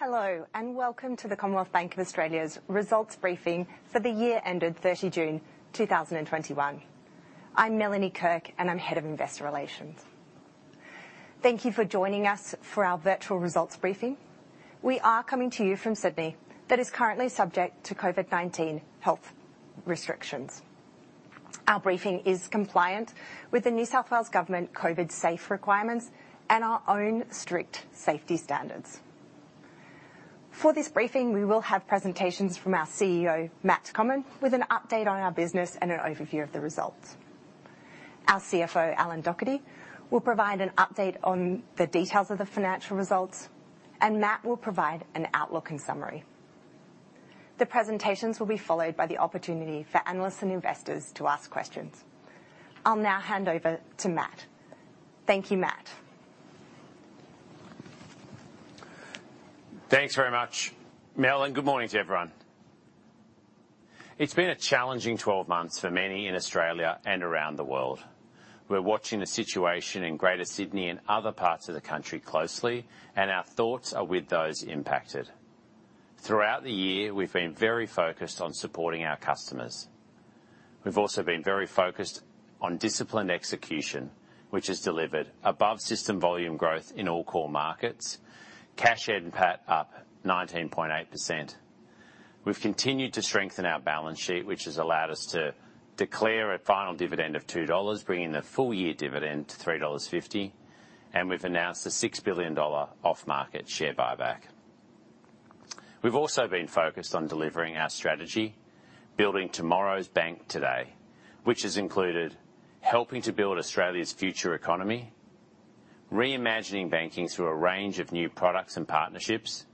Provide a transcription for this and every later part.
Hello, welcome to the Commonwealth Bank of Australia's results briefing for the year ended 30 June 2021. I'm Melanie Kirk, and I'm Head of Investor Relations. Thank you for joining us for our virtual results briefing. We are coming to you from Sydney that is currently subject to COVID-19 health restrictions. Our briefing is compliant with the New South Wales Government COVID safe requirements and our own strict safety standards. For this briefing, we will have presentations from our CEO, Matt Comyn, with an update on our business and an overview of the results. Our CFO, Alan Docherty, will provide an update on the details of the financial results, and Matt will provide an outlook and summary. The presentations will be followed by the opportunity for analysts and investors to ask questions. I'll now hand over to Matt. Thank you, Matt. Thanks very much, Mel, and good morning to everyone. It's been a challenging 12 months for many in Australia and around the world. We're watching the situation in Greater Sydney and other parts of the country closely, and our thoughts are with those impacted. Throughout the year, we've been very focused on supporting our customers. We've also been very focused on disciplined execution, which has delivered above-system volume growth in all core markets, cash NPAT up 19.8%. We've continued to strengthen our balance sheet, which has allowed us to declare a final dividend of 2 dollars, bringing the full year dividend to 3.50 dollars, and we've announced an 6 billion dollar off-market share buyback. We've also been focused on delivering our strategy, building tomorrow's bank today, which has included helping to build Australia's future economy, re-imagining banking through a range of new products and partnerships,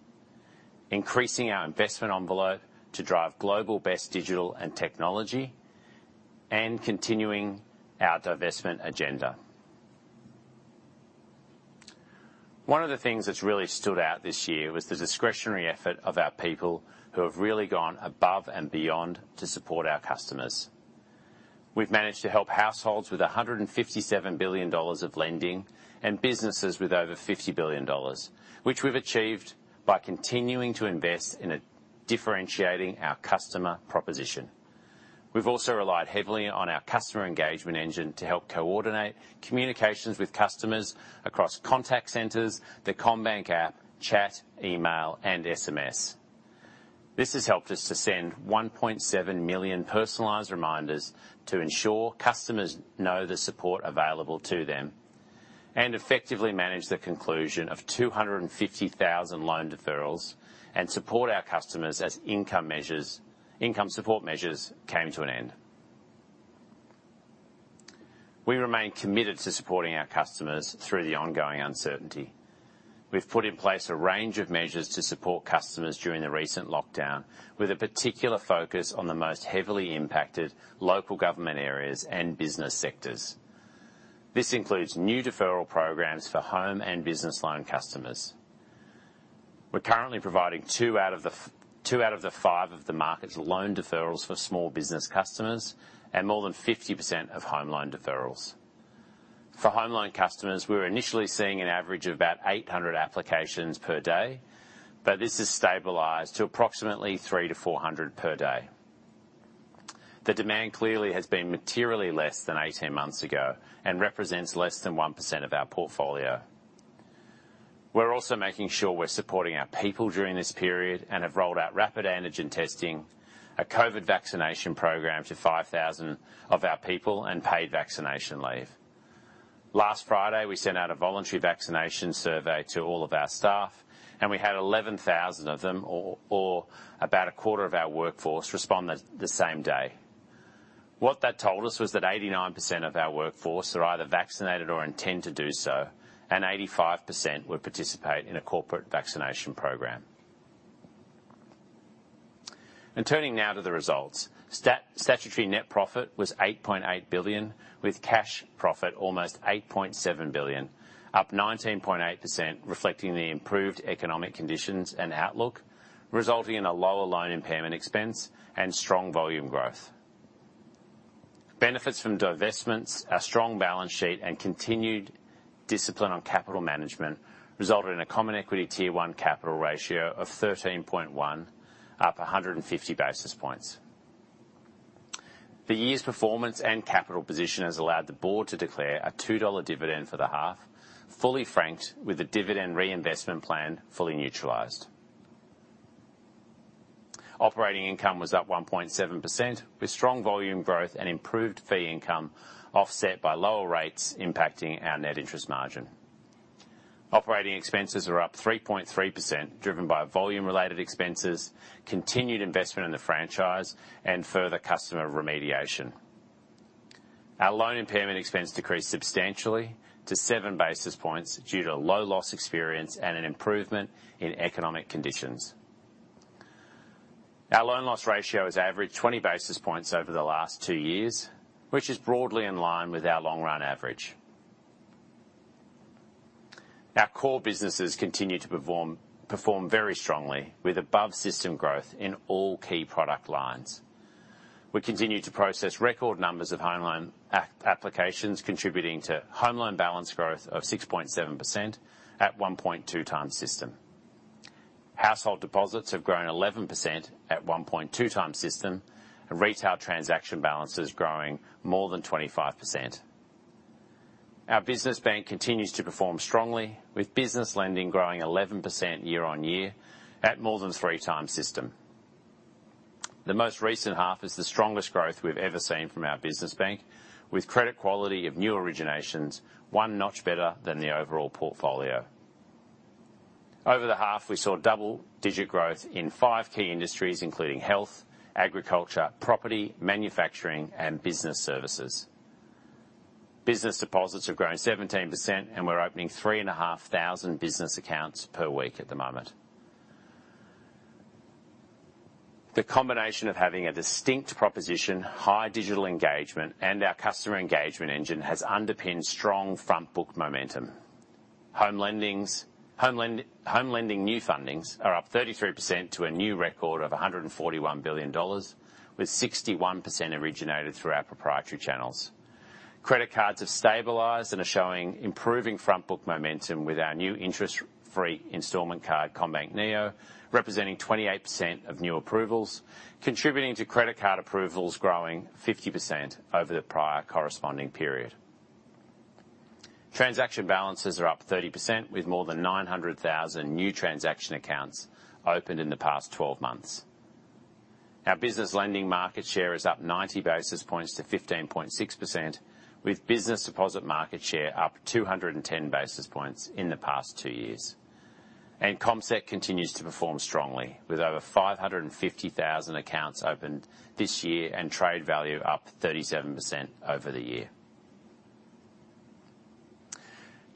increasing our investment envelope to drive global best digital and technology, and continuing our divestment agenda. One of the things that's really stood out this year was the discretionary effort of our people, who have really gone above and beyond to support our customers. We've managed to help households with 157 billion dollars of lending and businesses with over 50 billion dollars, which we've achieved by continuing to invest in differentiating our customer proposition. We've also relied heavily on our customer engagement engine to help coordinate communications with customers across contact centers, the CommBank app, chat, email, and SMS. This has helped us to send 1.7 million personalized reminders to ensure customers know the support available to them and effectively manage the conclusion of 250,000 loan deferrals and support our customers as income support measures came to an end. We remain committed to supporting our customers through the ongoing uncertainty. We've put in place a range of measures to support customers during the recent lockdown, with a particular focus on the most heavily impacted local government areas and business sectors. This includes new deferral programs for home and business loan customers. We're currently providing two out of the five of the market's loan deferrals for small business customers and more than 50% of home loan deferrals. For home loan customers, we were initially seeing an average of about 800 applications per day, but this has stabilized to approximately 300-400 per day. The demand clearly has been materially less than 18 months ago and represents less than 1% of our portfolio. We're also making sure we're supporting our people during this period and have rolled out rapid antigen testing, a COVID-19 vaccination program to 5,000 of our people, and paid vaccination leave. Last Friday, we sent out a voluntary vaccination survey to all of our staff, and we had 11,000 of them, or about a quarter of our workforce, respond the same day. What that told us was that 89% of our workforce are either vaccinated or intend to do so, and 85% would participate in a corporate vaccination program. Turning now to the results. Statutory net profit was 8.8 billion, with cash profit almost 8.7 billion, up 19.8%, reflecting the improved economic conditions and outlook, resulting in a lower loan impairment expense and strong volume growth. Benefits from divestments, a strong balance sheet, and continued discipline on capital management resulted in a Common Equity Tier 1 capital ratio of 13.1%, up 150 basis points. The year's performance and capital position has allowed the board to declare an 2 dollar dividend for the half, fully franked with the dividend reinvestment plan fully neutralized. Operating income was up 1.7%, with strong volume growth and improved fee income offset by lower rates impacting our net interest margin. Operating expenses are up 3.3%, driven by volume-related expenses, continued investment in the franchise, and further customer remediation. Our loan impairment expense decreased substantially to 7 basis points due to low loss experience and an improvement in economic conditions. Our loan loss ratio has averaged 20 basis points over the last two years, which is broadly in line with our long-run average. Our core businesses continue to perform very strongly with above-system growth in all key product lines. We continue to process record numbers of home loan applications, contributing to home loan balance growth of 6.7% at 1.2x system. Household deposits have grown 11% at 1.2x system, and retail transaction balance is growing more than 25%. Our business bank continues to perform strongly, with business lending growing 11% year-on-year at more than 3x system. The most recent half is the strongest growth we've ever seen from our business bank, with credit quality of new originations one notch better than the overall portfolio. Over the half, we saw double-digit growth in five key industries, including health, agriculture, property, manufacturing, and business services. Business deposits have grown 17%, and we're opening 3,500 business accounts per week at the moment. The combination of having a distinct proposition, high digital engagement, and our customer engagement engine has underpinned strong front book momentum. Home lending new fundings are up 33% to a new record of 141 billion dollars, with 61% originated through our proprietary channels. Credit cards have stabilized and are showing improving front book momentum with our new interest-free installment card, CommBank Neo, representing 28% of new approvals, contributing to credit card approvals growing 50% over the prior corresponding period. Transaction balances are up 30%, with more than 900,000 new transaction accounts opened in the past 12 months. Our business lending market share is up 90 basis points to 15.6%, with business deposit market share up 210 basis points in the past two years. CommSec continues to perform strongly, with over 550,000 accounts opened this year and trade value up 37% over the year.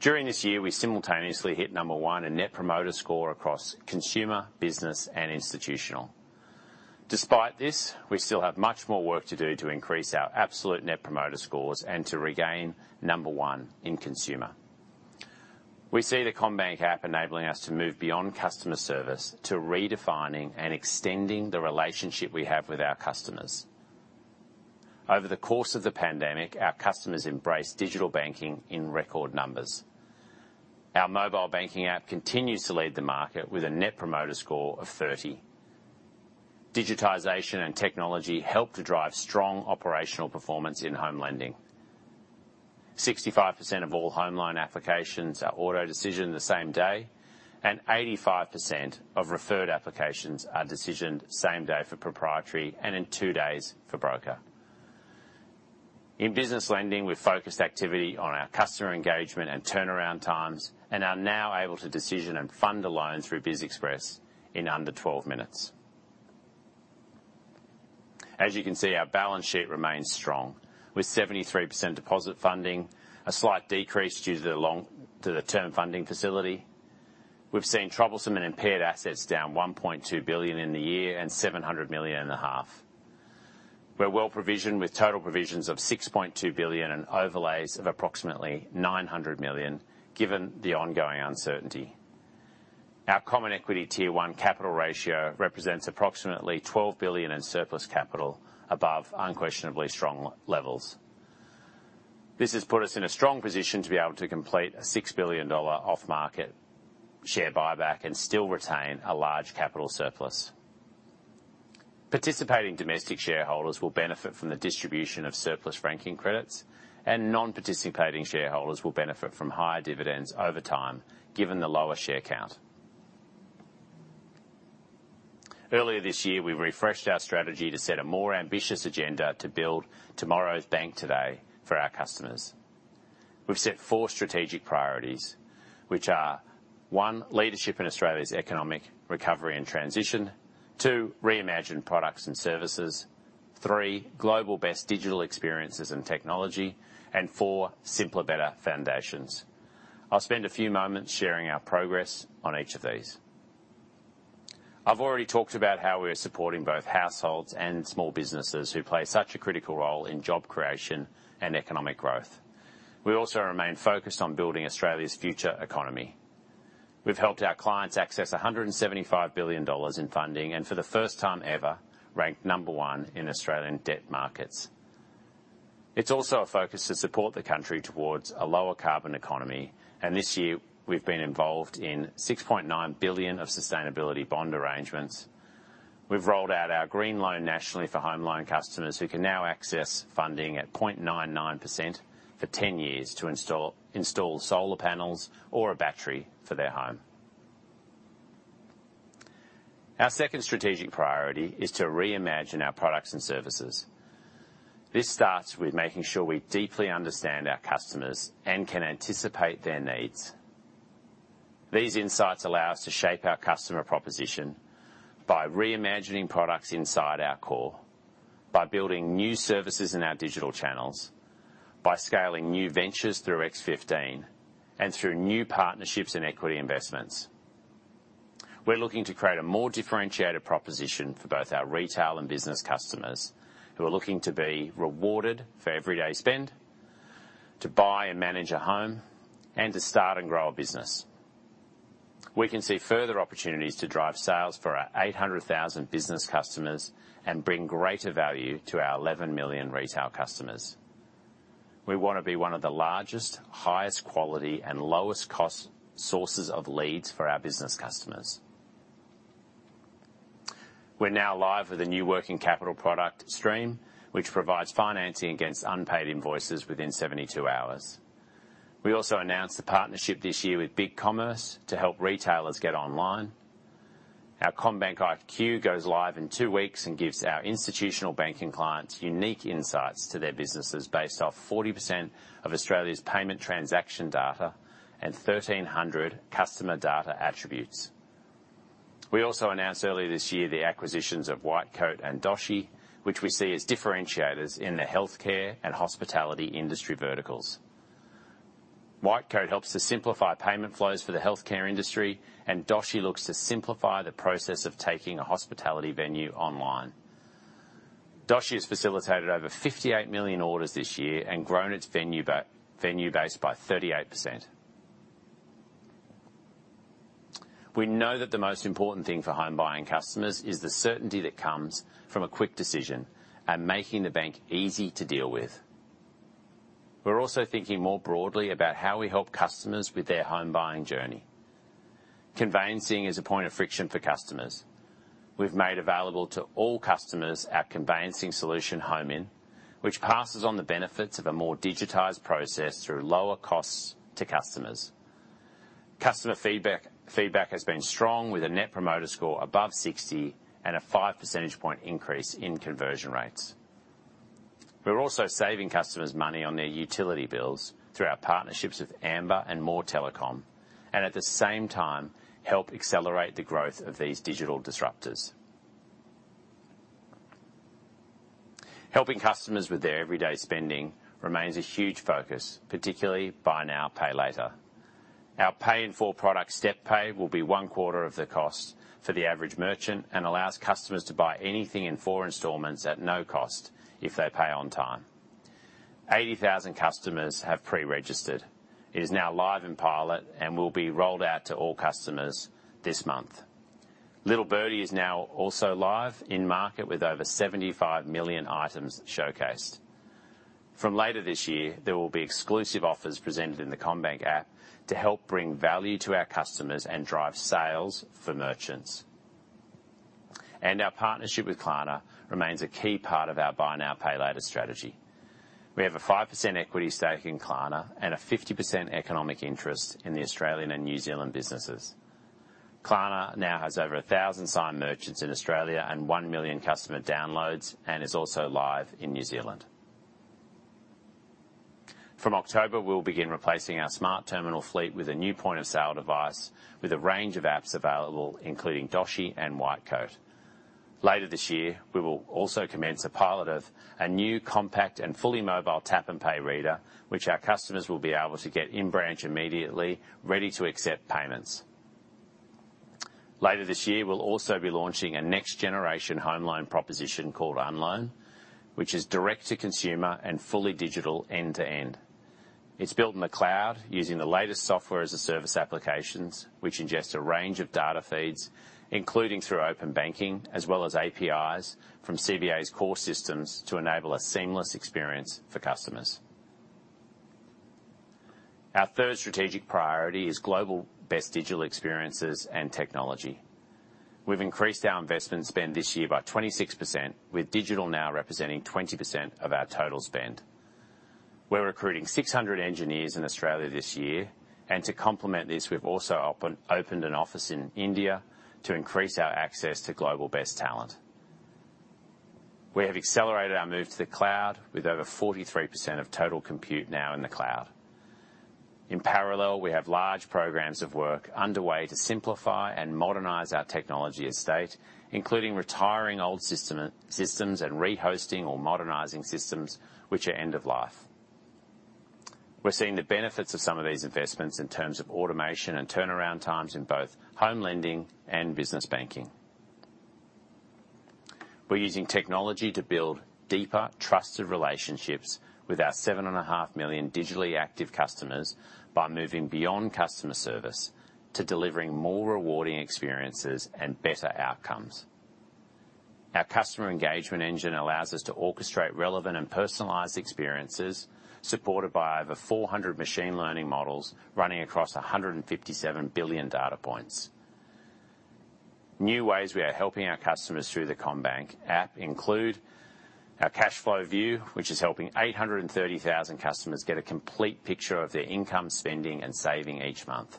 During this year, we simultaneously hit number one in Net Promoter Score across consumer, business, and institutional. Despite this, we still have much more work to do to increase our absolute Net Promoter Scores and to regain number one in consumer. We see the CommBank app enabling us to move beyond customer service to redefining and extending the relationship we have with our customers. Over the course of the pandemic, our customers embraced digital banking in record numbers. Our mobile banking app continues to lead the market with a Net Promoter Score of 30. Digitization and technology help to drive strong operational performance in home lending. 65% of all home loan applications are auto decision the same day, and 85% of referred applications are decisioned same day for proprietary and in two days for broker. In business lending, we've focused activity on our customer engagement and turnaround times and are now able to decision and fund a loan through BizExpress in under 12 minutes. As you can see, our balance sheet remains strong. With 73% deposit funding, a slight decrease due to the Term Funding Facility, we've seen troublesome and impaired assets down 1.2 billion in the year and 700 million in the half. We're well provisioned with total provisions of 6.2 billion and overlays of approximately 900 million, given the ongoing uncertainty. Our Common Equity Tier 1 capital ratio represents approximately 12 billion in surplus capital above unquestionably strong levels. This has put us in a strong position to be able to complete a 6 billion dollar off-market share buyback and still retain a large capital surplus. Participating domestic shareholders will benefit from the distribution of surplus ranking credits, and non-participating shareholders will benefit from higher dividends over time, given the lower share count. Earlier this year, we refreshed our strategy to set a more ambitious agenda to build tomorrow's bank today for our customers. We've set four strategic priorities, which are: 1. Leadership in Australia's economic recovery and transition, 2. Reimagine products and services, 3. Global best digital experiences in technology, and 4. Simpler, better foundations. I'll spend a few moments sharing our progress on each of these. I've already talked about how we are supporting both households and small businesses who play such a critical role in job creation and economic growth. We also remain focused on building Australia's future economy. We've helped our clients access 175 billion dollars in funding, and for the first time ever, ranked number 1 in Australian debt markets. It's also a focus to support the country towards a lower carbon economy. This year, we've been involved in 6.9 billion of sustainability bond arrangements. We've rolled out our green loan nationally for home loan customers who can now access funding at 0.99% for 10 years to install solar panels or a battery for their home. Our second strategic priority is to reimagine our products and services. This starts with making sure we deeply understand our customers and can anticipate their needs. These insights allow us to shape our customer proposition by reimagining products inside our core, by building new services in our digital channels, by scaling new ventures through x15, and through new partnerships and equity investments. We're looking to create a more differentiated proposition for both our retail and business customers who are looking to be rewarded for everyday spend, to buy and manage a home, and to start and grow a business. We can see further opportunities to drive sales for our 800,000 business customers and bring greater value to our 11 million retail customers. We want to be one of the largest, highest quality, and lowest cost sources of leads for our business customers. We're now live with a new working capital product stream, which provides financing against unpaid invoices within 72 hours. We also announced the partnership this year with BigCommerce to help retailers get online. Our CommBank iQ goes live in two weeks and gives our institutional banking clients unique insights to their businesses based off 40% of Australia's payment transaction data and 1,300 customer data attributes. We also announced earlier this year the acquisitions of Whitecoat and Doshii, which we see as differentiators in the healthcare and hospitality industry verticals. Whitecoat helps to simplify payment flows for the healthcare industry, Doshii looks to simplify the process of taking a hospitality venue online. Doshii has facilitated over 58 million orders this year and grown its venue base by 38%. We know that the most important thing for home buying customers is the certainty that comes from a quick decision and making the bank easy to deal with. We're also thinking more broadly about how we help customers with their home buying journey. Conveyancing is a point of friction for customers. We've made available to all customers our conveyancing solution, Home-in, which passes on the benefits of a more digitized process through lower costs to customers. Customer feedback has been strong, with a Net Promoter Score above 60 and a 5 percentage point increase in conversion rates. We're also saving customers money on their utility bills through our partnerships with Amber and More Telecom, and at the same time, help accelerate the growth of these digital disruptors. Helping customers with their everyday spending remains a huge focus, particularly buy now, pay later. Our pay in full product StepPay will be one quarter of the cost for the average merchant and allows customers to buy anything in four installments at no cost if they pay on time. 80,000 customers have pre-registered. It is now live in pilot and will be rolled out to all customers this month. Little Birdie is now also live in market with over 75 million items showcased. From later this year, there will be exclusive offers presented in the CommBank app to help bring value to our customers and drive sales for merchants. Our partnership with Klarna remains a key part of our buy now, pay later strategy. We have a 5% equity stake in Klarna and a 50% economic interest in the Australian and New Zealand businesses. Klarna now has over 1,000 signed merchants in Australia and one million customer downloads, and is also live in New Zealand. From October, we'll begin replacing our smart terminal fleet with a new point-of-sale device with a range of apps available, including Doshii and Whitecoat. Later this year, we will also commence a pilot of a new compact and fully mobile tap and pay reader, which our customers will be able to get in-branch immediately, ready to accept payments. Later this year, we'll also be launching a next generation home loan proposition called Unloan, which is direct to consumer and fully digital end-to-end. It's built in the cloud using the latest software as a service applications, which ingest a range of data feeds, including through open banking, as well as APIs from CBA's core systems to enable a seamless experience for customers. Our third strategic priority is global best digital experiences and technology. We've increased our investment spend this year by 26%, with digital now representing 20% of our total spend. We're recruiting 600 engineers in Australia this year, and to complement this, we've also opened an office in India to increase our access to global best talent. We have accelerated our move to the cloud, with over 43% of total compute now in the cloud. In parallel, we have large programs of work underway to simplify and modernize our technology estate, including retiring old systems and re-hosting or modernizing systems which are end of life. We're seeing the benefits of some of these investments in terms of automation and turnaround times in both home lending and business banking. We're using technology to build deeper trusted relationships with our 7.5 million digitally active customers by moving beyond customer service to delivering more rewarding experiences and better outcomes. Our customer engagement engine allows us to orchestrate relevant and personalized experiences, supported by over 400 machine learning models running across 157 billion data points. New ways we are helping our customers through the CommBank app include our Cash Flow View, which is helping 830,000 customers get a complete picture of their income spending and saving each month.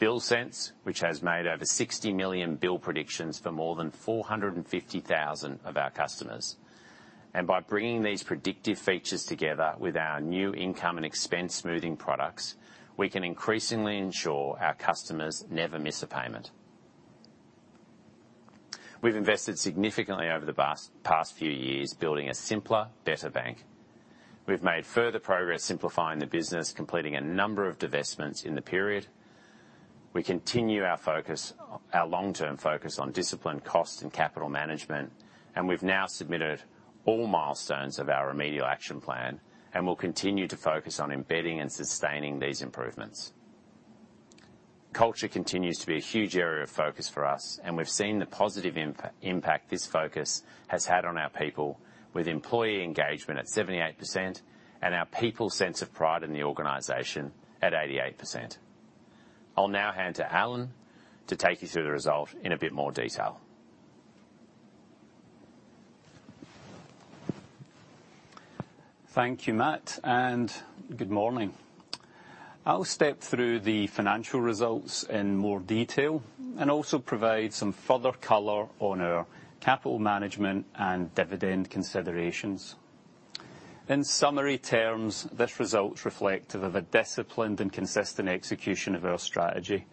Bill Sense, which has made over 60 million bill predictions for more than 450,000 of our customers. By bringing these predictive features together with our new income and expense smoothing products, we can increasingly ensure our customers never miss a payment. We've invested significantly over the past few years building a simpler, better bank. We've made further progress simplifying the business, completing a number of divestments in the period. We continue our long-term focus on disciplined cost and capital management, and we've now submitted all milestones of our remedial action plan and will continue to focus on embedding and sustaining these improvements. Culture continues to be a huge area of focus for us, and we've seen the positive impact this focus has had on our people with employee engagement at 78% and our people's sense of pride in the organization at 88%. I'll now hand to Alan to take you through the result in a bit more detail. Thank you, Matt. Good morning. I'll step through the financial results in more detail and also provide some further color on our capital management and dividend considerations. In summary terms, this result's reflective of a disciplined and consistent execution of our strategy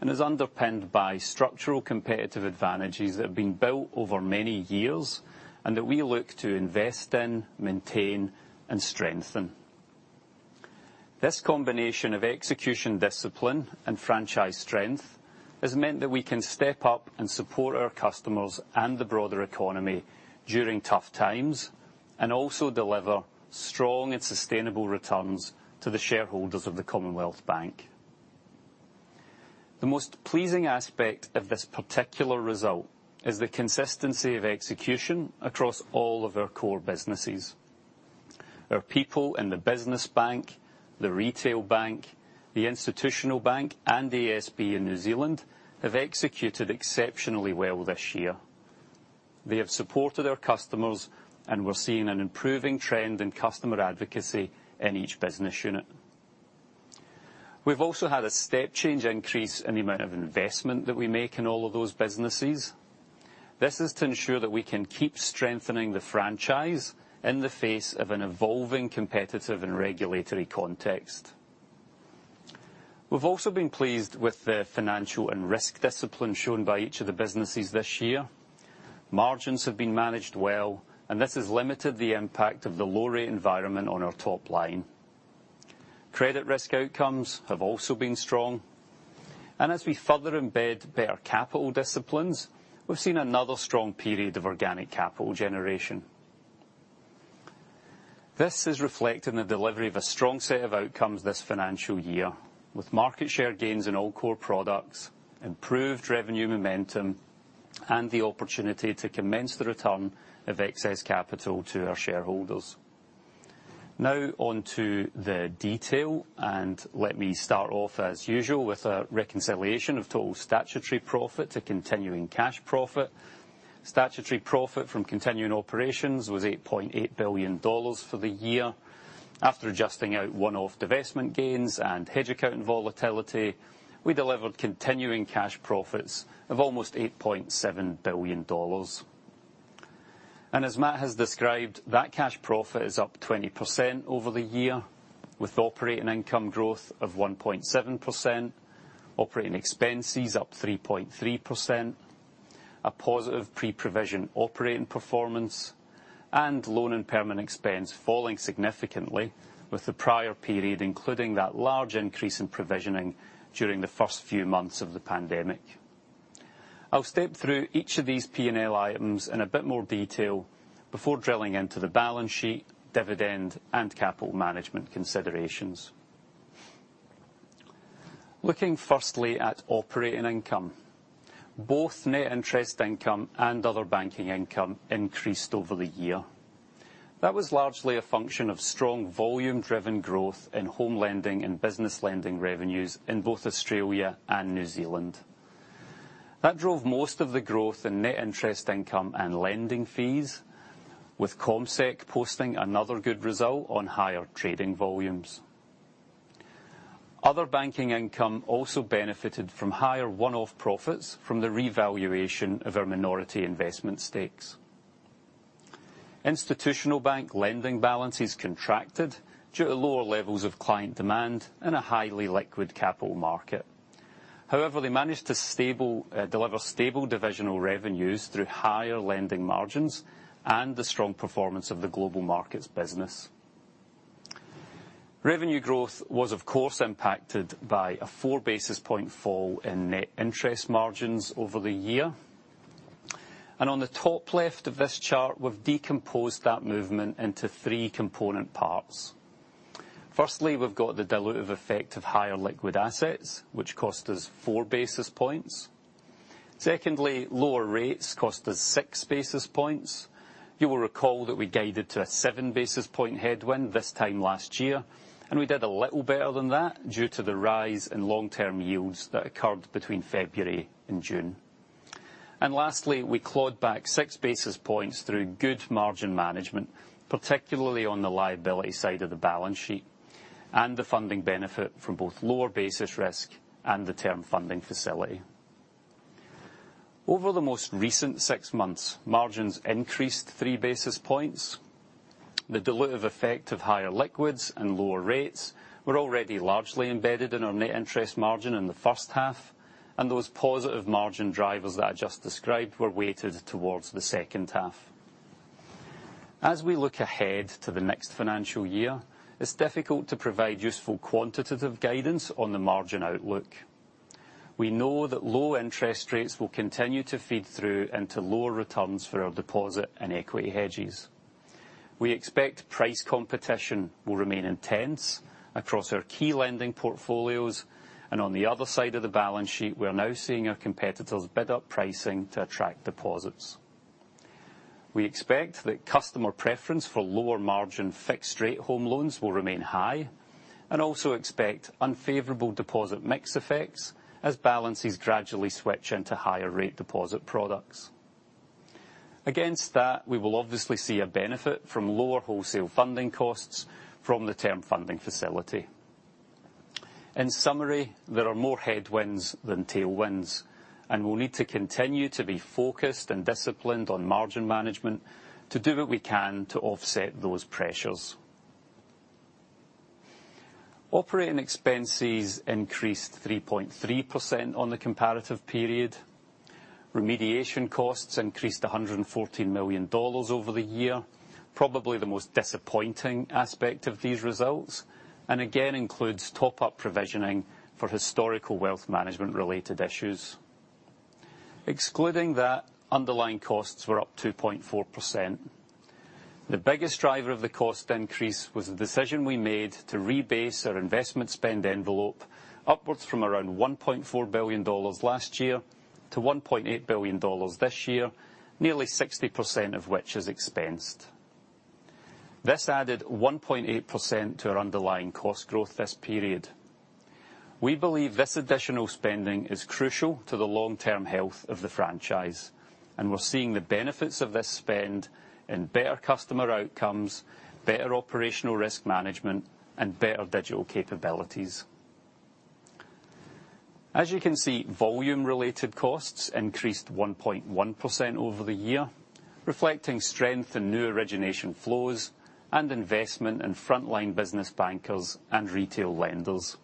and is underpinned by structural competitive advantages that have been built over many years and that we look to invest in, maintain, and strengthen. This combination of execution discipline and franchise strength has meant that we can step up and support our customers and the broader economy during tough times, and also deliver strong and sustainable returns to the shareholders of the Commonwealth Bank. The most pleasing aspect of this particular result is the consistency of execution across all of our core businesses. Our people in the business bank, the retail bank, the institutional bank, and ASB in New Zealand have executed exceptionally well this year. They have supported our customers, and we're seeing an improving trend in customer advocacy in each business unit. We've also had a step change increase in the amount of investment that we make in all of those businesses. This is to ensure that we can keep strengthening the franchise in the face of an evolving competitive and regulatory context. We've also been pleased with the financial and risk discipline shown by each of the businesses this year. Margins have been managed well, and this has limited the impact of the low rate environment on our top line. Credit risk outcomes have also been strong. As we further embed better capital disciplines, we've seen another strong period of organic capital generation. This is reflected in the delivery of a strong set of outcomes this financial year, with market share gains in all core products, improved revenue momentum, and the opportunity to commence the return of excess capital to our shareholders. On to the detail, let me start off, as usual, with a reconciliation of total statutory profit to continuing cash profit. Statutory profit from continuing operations was 8.8 billion dollars for the year. After adjusting out one-off divestment gains and hedge accounting volatility, we delivered continuing cash profits of almost 8.7 billion dollars. As Matt has described, that cash profit is up 20% over the year, with operating income growth of 1.7%, operating expenses up 3.3%, a positive pre-provision operating performance, and loan impairment expense falling significantly with the prior period, including that large increase in provisioning during the first few months of the pandemic. I'll step through each of these P&L items in a bit more detail before drilling into the balance sheet, dividend, and capital management considerations. Looking firstly at operating income. Both net interest income and other banking income increased over the year. That was largely a function of strong volume-driven growth in home lending and business lending revenues in both Australia and New Zealand. That drove most of the growth in net interest income and lending fees, with CommSec posting another good result on higher trading volumes. Other banking income also benefited from higher one-off profits from the revaluation of our minority investment stakes. Institutional bank lending balances contracted due to lower levels of client demand in a highly liquid capital market. They managed to deliver stable divisional revenues through higher lending margins and the strong performance of the global markets business. Revenue growth was, of course, impacted by a 4 basis point fall in net interest margins over the year. On the top left of this chart, we've decomposed that movement into three component parts. Firstly, we've got the dilutive effect of higher liquid assets, which cost us 4 basis points. Secondly, lower rates cost us 6 basis points. You will recall that we guided to a 7 basis point headwind this time last year, and we did a little better than that due to the rise in long-term yields that occurred between February and June. Lastly, we clawed back 6 basis points through good margin management, particularly on the liability side of the balance sheet, and the funding benefit from both lower basis risk and the Term Funding Facility. Over the most recent 6 months, margins increased 3 basis points. The dilutive effect of higher liquids and lower rates were already largely embedded in our net interest margin in the first half, and those positive margin drivers that I just described were weighted towards the second half. As we look ahead to the next financial year, it's difficult to provide useful quantitative guidance on the margin outlook. We know that low interest rates will continue to feed through into lower returns for our deposit and equity hedges. We expect price competition will remain intense across our key lending portfolios. On the other side of the balance sheet, we are now seeing our competitors bid up pricing to attract deposits. We expect that customer preference for lower margin fixed rate home loans will remain high, and also expect unfavorable deposit mix effects as balances gradually switch into higher rate deposit products. Against that, we will obviously see a benefit from lower wholesale funding costs from the Term Funding Facility. In summary, there are more headwinds than tailwinds, and we'll need to continue to be focused and disciplined on margin management to do what we can to offset those pressures. Operating expenses increased 3.3% on the comparative period. Remediation costs increased 114 million dollars over the year, probably the most disappointing aspect of these results, and again, includes top-up provision for historical wealth management related issues. Excluding that, underlying costs were up 2.4%. The biggest driver of the cost increase was the decision we made to rebase our investment spend envelope upwards from around 1.4 billion dollars last year to 1.8 billion dollars this year, nearly 60% of which is expensed. This added 1.8% to our underlying cost growth this period. We believe this additional spending is crucial to the long-term health of the franchise, we're seeing the benefits of this spend in better customer outcomes, better operational risk management, and better digital capabilities. As you can see, volume related costs increased 1.1% over the year, reflecting strength in new origination flows and investment in frontline business bankers and retail lenders.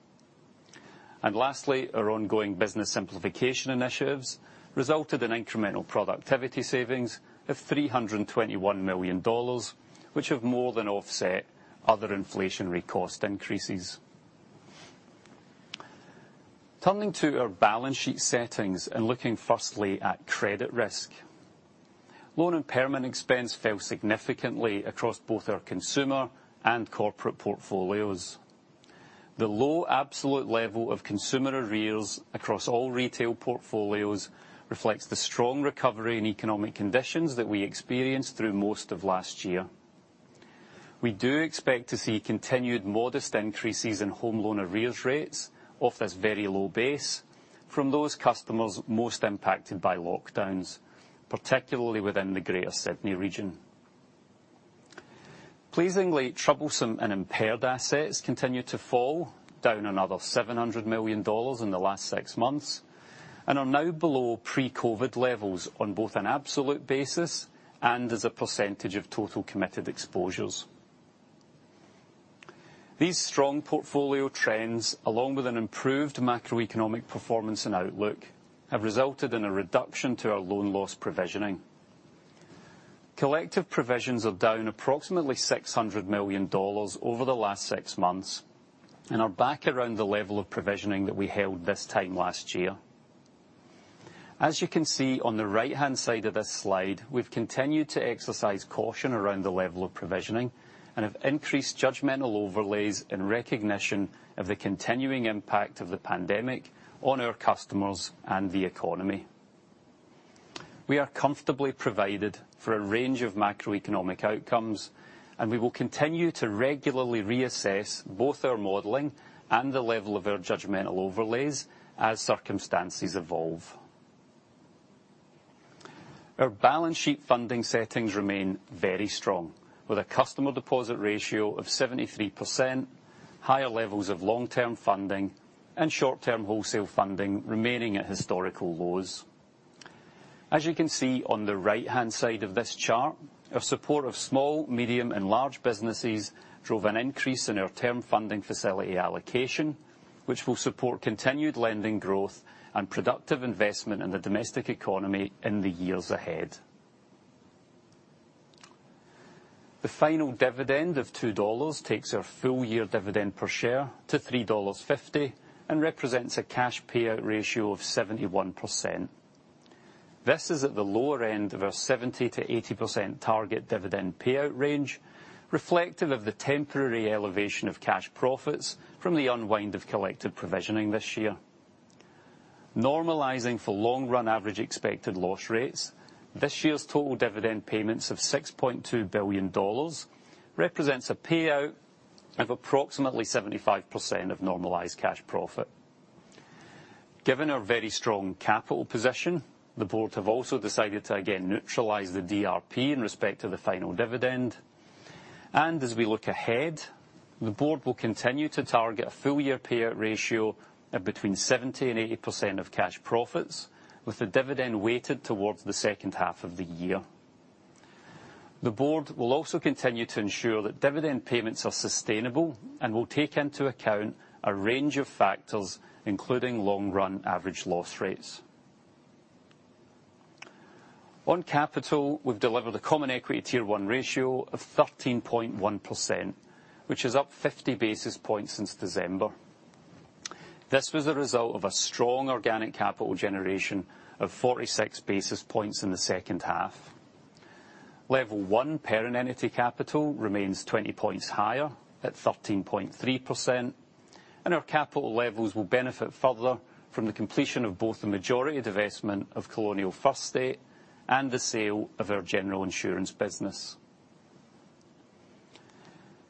Lastly, our ongoing business simplification initiatives resulted in incremental productivity savings of 321 million dollars, which have more than offset other inflationary cost increases. Turning to our balance sheet settings, looking firstly at credit risk. Loan impairment expense fell significantly across both our consumer and corporate portfolios. The low absolute level of consumer arrears across all retail portfolios reflects the strong recovery in economic conditions that we experienced through most of last year. We do expect to see continued modest increases in home loan arrears rates off this very low base from those customers most impacted by lockdowns, particularly within the Greater Sydney Region. Pleasingly troublesome and impaired assets continue to fall, down another 700 million dollars in the last six months, and are now below pre-COVID levels on both an absolute basis and as a percentage of total committed exposures. These strong portfolio trends, along with an improved macroeconomic performance and outlook, have resulted in a reduction to our loan loss provisioning. Collective provisions are down approximately 600 million dollars over the last six months, and are back around the level of provisioning that we held this time last year. As you can see on the right-hand side of this slide, we've continued to exercise caution around the level of provisioning and have increased judgmental overlays in recognition of the continuing impact of the pandemic on our customers and the economy. We are comfortably provided for a range of macroeconomic outcomes, and we will continue to regularly reassess both our modeling and the level of our judgmental overlays as circumstances evolve. Our balance sheet funding settings remain very strong, with a customer deposit ratio of 73%, higher levels of long-term funding, and short-term wholesale funding remaining at historical lows. As you can see on the right-hand side of this chart, our support of small, medium, and large businesses drove an increase in our Term Funding Facility allocation, which will support continued lending growth and productive investment in the domestic economy in the years ahead. The final dividend of 2 dollars takes our full year dividend per share to 3.50 dollars and represents a cash payout ratio of 71%. This is at the lower end of our 70%-80% target dividend payout range, reflective of the temporary elevation of cash profits from the unwind of collective provisioning this year. Normalizing for long run average expected loss rates, this year's total dividend payments of 6.2 billion dollars represents a payout of approximately 75% of normalized cash profit. Given our very strong capital position, the board have also decided to again neutralize the DRP in respect of the final dividend. As we look ahead, the board will continue to target a full year payout ratio of between 70% and 80% of cash profits, with the dividend weighted towards the second half of the year. The board will also continue to ensure that dividend payments are sustainable and will take into account a range of factors, including long run average loss rates. On capital, we've delivered a Common Equity Tier 1 ratio of 13.1%, which is up 50 basis points since December. This was a result of a strong organic capital generation of 46 basis points in the second half. Level 1 parent entity capital remains 20 points higher at 13.3%, and our capital levels will benefit further from the completion of both the majority divestment of Colonial First State and the sale of our general insurance business.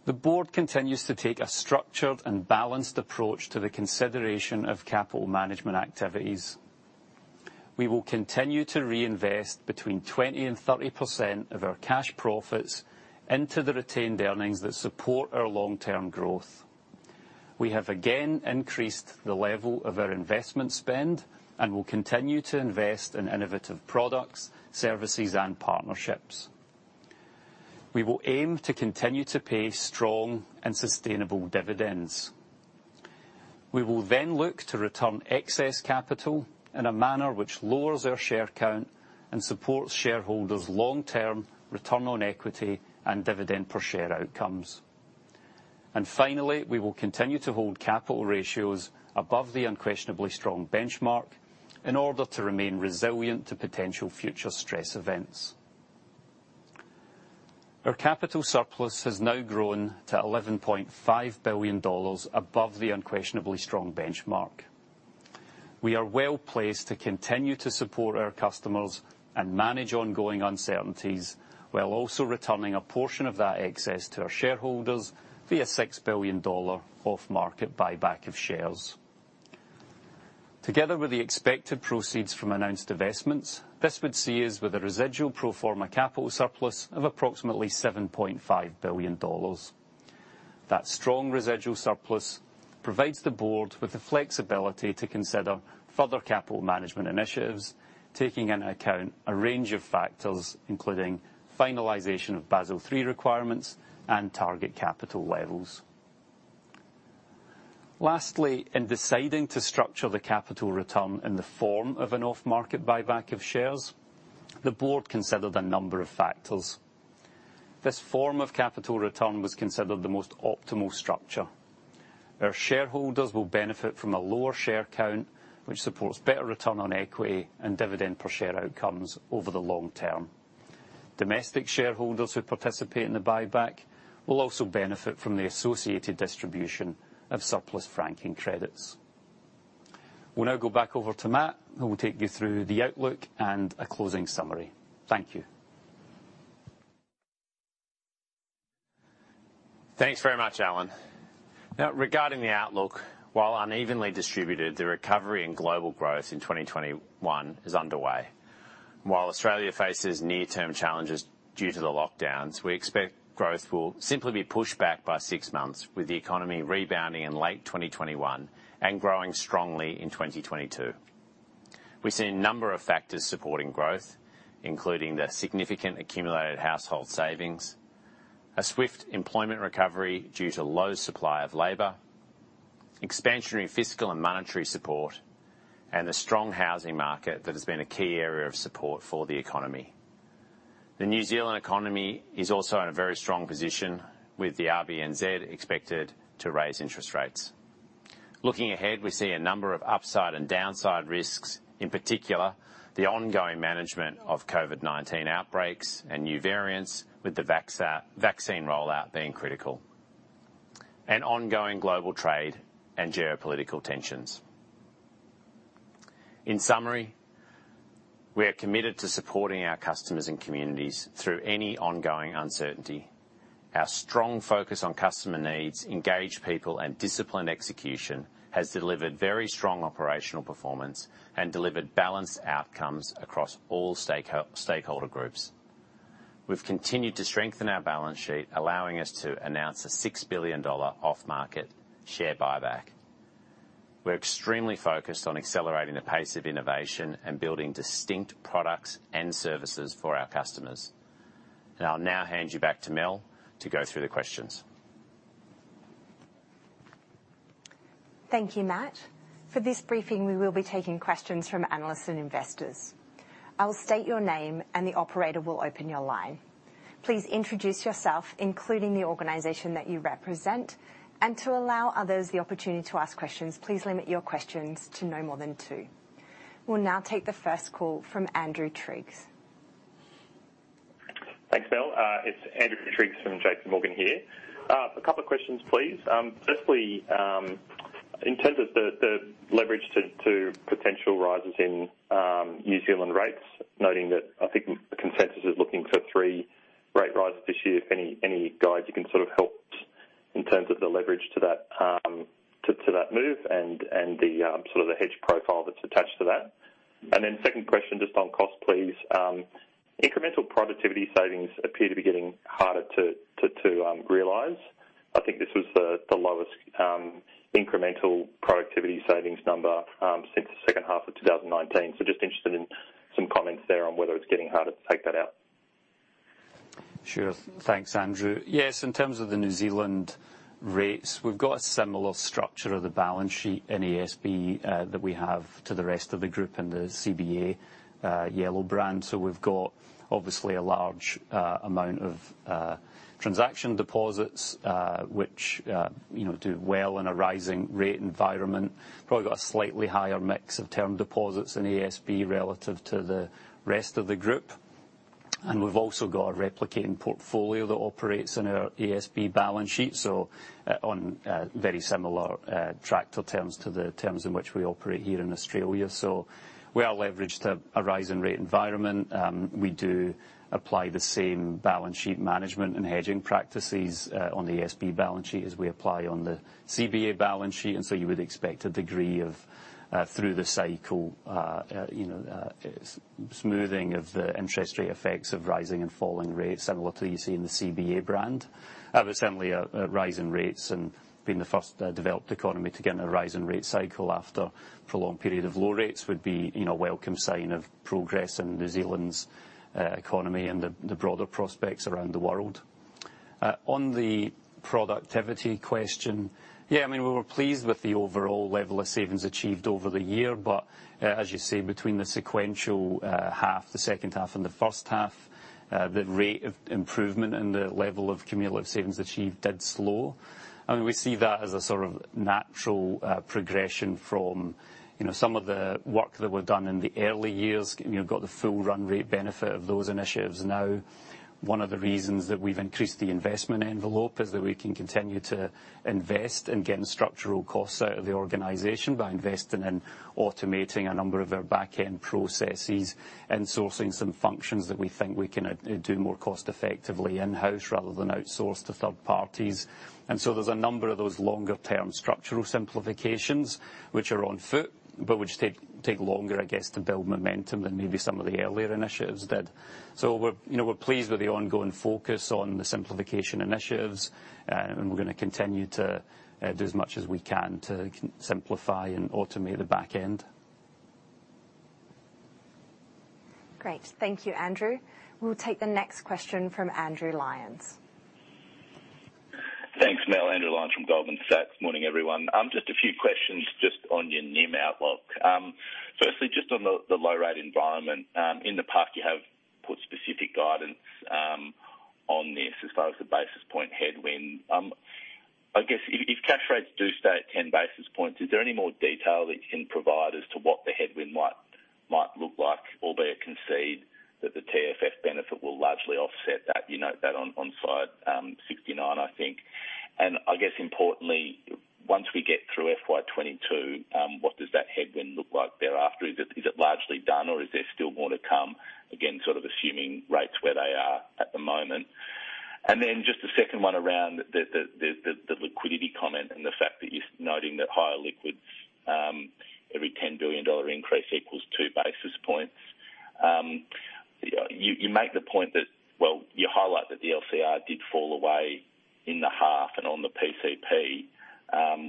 The board continues to take a structured and balanced approach to the consideration of capital management activities. We will continue to reinvest between 20% and 30% of our cash profits into the retained earnings that support our long-term growth. We have, again, increased the level of our investment spend and will continue to invest in innovative products, services, and partnerships. We will aim to continue to pay strong and sustainable dividends. We will then look to return excess capital in a manner which lowers our share count and supports shareholders' long-term return on equity and dividend per share outcomes. Finally, we will continue to hold capital ratios above the unquestionably strong benchmark in order to remain resilient to potential future stress events. Our capital surplus has now grown to 11.5 billion dollars above the unquestionably strong benchmark. We are well-placed to continue to support our customers and manage ongoing uncertainties, while also returning a portion of that excess to our shareholders via a 6 billion dollar off-market buyback of shares. Together with the expected proceeds from announced investments, this would see us with a residual pro forma capital surplus of approximately 7.5 billion dollars. That strong residual surplus provides the board with the flexibility to consider further capital management initiatives, taking into account a range of factors, including finalization of Basel III requirements and target capital levels. Lastly, in deciding to structure the capital return in the form of an off-market buyback of shares, the board considered a number of factors. This form of capital return was considered the most optimal structure. Our shareholders will benefit from a lower share count, which supports better return on equity and dividend per share outcomes over the long term. Domestic shareholders who participate in the buyback will also benefit from the associated distribution of surplus franking credits. We'll now go back over to Matt, who will take you through the outlook and a closing summary. Thank you. Thanks very much, Alan. Regarding the outlook, while unevenly distributed, the recovery in global growth in 2021 is underway. While Australia faces near-term challenges due to the lockdowns, we expect growth will simply be pushed back by six months with the economy rebounding in late 2021 and growing strongly in 2022. We see a number of factors supporting growth, including the significant accumulated household savings, a swift employment recovery due to low supply of labor, expansionary fiscal and monetary support, and the strong housing market that has been a key area of support for the economy. The New Zealand economy is also in a very strong position, with the RBNZ expected to raise interest rates. Looking ahead, we see a number of upside and downside risks, in particular, the ongoing management of COVID-19 outbreaks and new variants, with the vaccine rollout being critical, and ongoing global trade and geopolitical tensions. In summary, we are committed to supporting our customers and communities through any ongoing uncertainty. Our strong focus on customer needs, engaged people, and disciplined execution has delivered very strong operational performance and delivered balanced outcomes across all stakeholder groups. We've continued to strengthen our balance sheet, allowing us to announce an 6 billion dollar off-market share buyback. We're extremely focused on accelerating the pace of innovation and building distinct products and services for our customers. I'll now hand you back to Mel to go through the questions. Thank you, Matt. For this briefing, we will be taking questions from analysts and investors. I'll state your name and the operator will open your line. Please introduce yourself, including the organization that you represent, and to allow others the opportunity to ask questions, please limit your questions to no more than two. We'll now take the first call from Andrew Triggs. Thanks, Mel. It's Andrew Triggs from JPMorgan here. A couple of questions, please. Firstly, in terms of the leverage to potential rises in New Zealand rates, noting that I think the consensus is looking for three rate rises this year. Any guides you can sort of help us in terms of the leverage to that move and sort of the hedge profile that's attached to that? Second question, just on cost, please. Incremental productivity savings appear to be getting harder to realize. I think this was the lowest incremental productivity savings number since the second half of 2019. Just interested in some comments there on whether it's getting harder to take that out. Sure. Thanks, Andrew. Yes, in terms of the New Zealand rates, we've got a similar structure of the balance sheet in ASB that we have to the rest of the group in the CBA, CommBank Yello. We've got, obviously, a large amount of transaction deposits, which do well in a rising rate environment. Probably got a slightly higher mix of term deposits in ASB relative to the rest of the group. We've also got a replicating portfolio that operates in our ASB balance sheet, so on very similar contract terms to the terms in which we operate here in Australia. We are leveraged a rise in rate environment. We do apply the same balance sheet management and hedging practices on the ASB balance sheet as we apply on the CBA balance sheet, you would expect a degree of, through the cycle, smoothing of the interest rate effects of rising and falling rates, similar to what you see in the CBA brand. Certainly, a rise in rates and being the first developed economy to get a rise in rate cycle after a prolonged period of low rates would be a welcome sign of progress in New Zealand's economy and the broader prospects around the world. On the productivity question, yeah, we were pleased with the overall level of savings achieved over the year. As you say, between the sequential half, the second half and the first half, the rate of improvement and the level of cumulative savings achieved did slow. We see that as a sort of natural progression from some of the work that we've done in the early years. We've got the full run rate benefit of those initiatives now. One of the reasons that we've increased the investment envelope is that we can continue to invest in getting structural costs out of the organization by investing in automating a number of our back-end processes and sourcing some functions that we think we can do more cost-effectively in-house rather than outsource to third parties. There's a number of those longer-term structural simplifications which are on foot, but which take longer, I guess, to build momentum than maybe some of the earlier initiatives did. We're pleased with the ongoing focus on the simplification initiatives, and we're going to continue to do as much as we can to simplify and automate the back end. Great. Thank you, Andrew. We'll take the next question from Andrew Lyons. Thanks, Mel. Andrew Lyons from Goldman Sachs. Morning, everyone. Just a few questions just on your NIM outlook. Firstly, just on the low rate environment. In the past, you have put specific guidance on this as far as the basis point headwind. I guess if cash rates do stay at 10 basis points, is there any more detail that you can provide as to what the headwind might look like, albeit concede that the TFF benefit will largely offset that? You note that on Slide 69, I think. I guess importantly, once we get through FY 2022, what does that headwind look like thereafter? Is it largely done or is there still more to come? Again, sort of assuming rates where they are at the moment. Just the second one around the liquidity comment and the fact that you're noting that higher liquids, every 10 billion dollar increase equals two basis points. You make the point that, well, you highlight that the LCR did fall away in the half and on the PCP,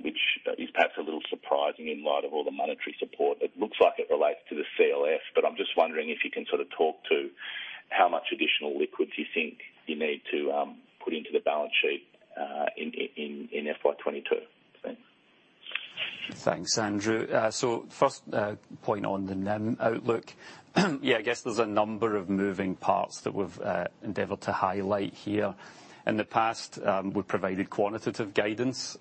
which is perhaps a little surprising in light of all the monetary support. It looks like it relates to the CLF. I'm just wondering if you can sort of talk to how much additional liquids you think you need to put into the balance sheet in FY 2022. Thanks. Thanks, Andrew. First point on the NIM outlook. Yeah, I guess there's a number of moving parts that we've endeavored to highlight here. In the past, we provided quantitative guidance.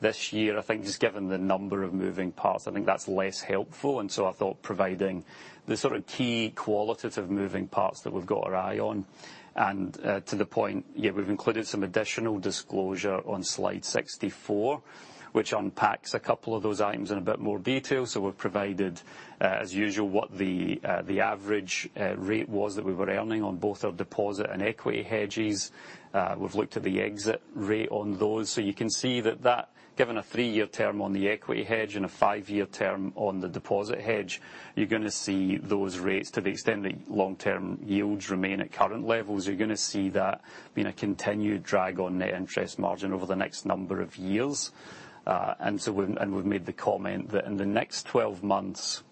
This year, I think just given the number of moving parts, I think that's less helpful. I thought providing the sort of key qualitative moving parts that we've got our eye on. To the point, yeah, we've included some additional disclosure on Slide 64, which unpacks a couple of those items in a bit more detail. We've provided, as usual, what the average rate was that we were earning on both our deposit and equity hedges. We've looked at the exit rate on those. You can see that, given a 3-year term on the equity hedge and a 5-year term on the deposit hedge, you're going to see those rates to the extent that long-term yields remain at current levels. You're going to see that continued drag on net interest margin over the next number of years. We've made the comment that in the next 12 months,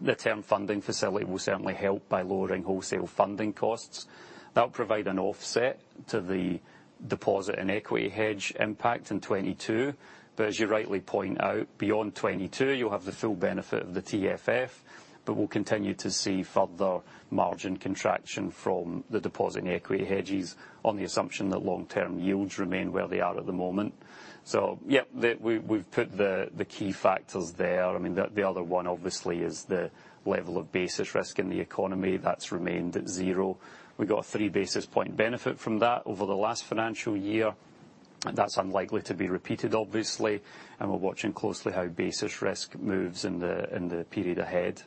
the Term Funding Facility will certainly help by lowering wholesale funding costs. That'll provide an offset to the deposit and equity hedge impact in 2022. As you rightly point out, beyond 2022, you'll have the full benefit of the TFF, but we'll continue to see further margin contraction from the deposit and equity hedges on the assumption that long-term yields remain where they are at the moment. Yeah, we've put the key factors there. The other one, obviously, is the level of basis risk in the economy. That's remained at 0. We got a 3 basis point benefit from that over the last financial year. That's unlikely to be repeated, obviously. We're watching closely how basis risk moves in the period ahead.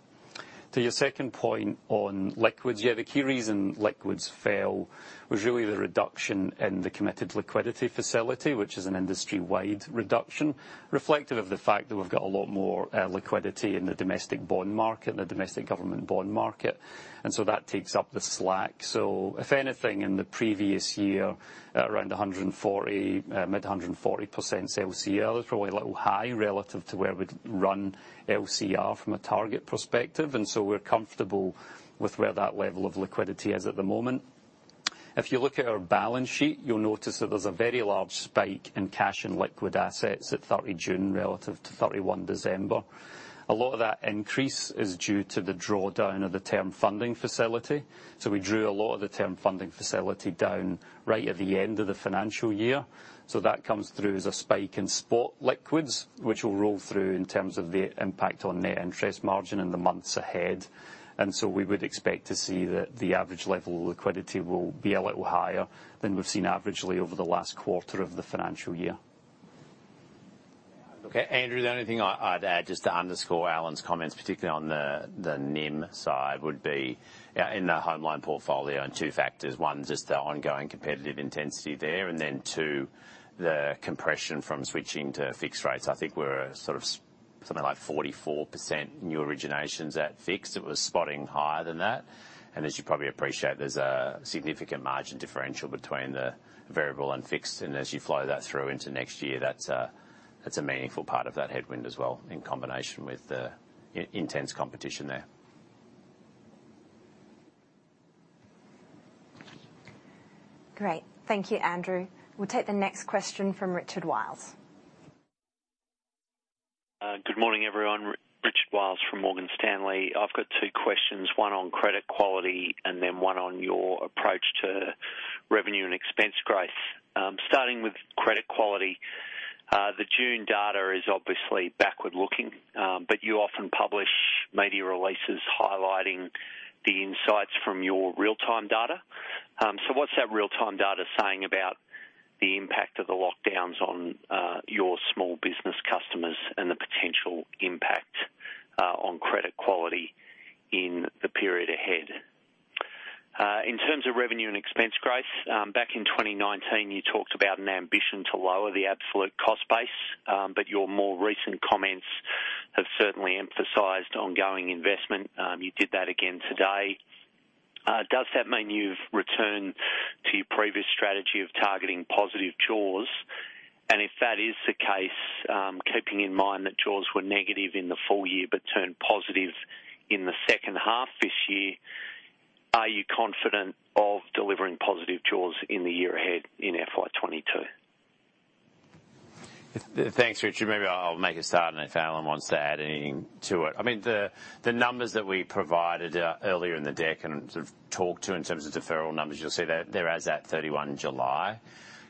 To your second point on liquids, yeah, the key reason liquids fell was really the reduction in the Committed Liquidity Facility, which is an industry-wide reduction reflective of the fact that we've got a lot more liquidity in the domestic bond market, the domestic government bond market. That takes up the slack. If anything, in the previous year, around 140, mid 140% LCR is probably a little high relative to where we'd run LCR from a target perspective, and so we're comfortable with where that level of liquidity is at the moment. If you look at our balance sheet, you'll notice that there's a very large spike in cash and liquid assets at 30 June relative to 31 December. A lot of that increase is due to the drawdown of the Term Funding Facility. We drew a lot of the Term Funding Facility down right at the end of the financial year. That comes through as a spike in spot liquids, which will roll through in terms of the impact on net interest margin in the months ahead. We would expect to see that the average level of liquidity will be a little higher than we've seen averagely over the last quarter of the financial year. Andrew, the only thing I'd add, just to underscore Alan's comments, particularly on the NIM side, would be in the home loan portfolio and 2 factors. 1, just the ongoing competitive intensity there, and then two, the compression from switching to fixed rates. I think we're something like 44% new originations at fixed. It was spotting higher than that. As you probably appreciate, there's a significant margin differential between the variable and fixed, and as you flow that through into next year, that's a meaningful part of that headwind as well, in combination with the intense competition there. Great. Thank you, Andrew. We'll take the next question from Richard Wiles. Good morning, everyone. Richard Wiles from Morgan Stanley. I've got two questions, one on credit quality and then one on your approach to revenue and expense growth. Starting with credit quality. The June data is obviously backward-looking, but you often publish media releases highlighting the insights from your real-time data. What's that real-time data saying about the impact of the lockdowns on your small business customers and the potential impact on credit quality in the period ahead? In terms of revenue and expense growth, back in 2019, you talked about an ambition to lower the absolute cost base. Your more recent comments have certainly emphasized ongoing investment. You did that again today. Does that mean you've returned to your previous strategy of targeting positive jaws? If that is the case, keeping in mind that jaws were negative in the full year but turned positive in the second half this year, are you confident of delivering positive jaws in the year ahead in FY 2022? Thanks, Richard. Maybe I'll make a start and if Alan wants to add anything to it. The numbers that we provided earlier in the deck and sort of talked to in terms of deferral numbers, you'll see they're as at 31 July.